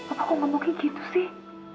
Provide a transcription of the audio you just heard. apa kok gak mungkin gitu sih